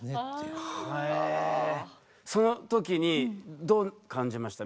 そのときにどう感じました？